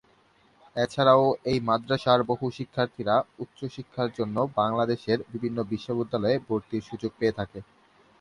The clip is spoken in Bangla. এছাড়াও এই মাদ্রাসার বহু শিক্ষার্থীরা উচ্চ শিক্ষার জন্য বাংলাদেশের বিভিন্ন বিশ্ববিদ্যালয়ে ভর্তির সুযোগ পেয়ে থাকে।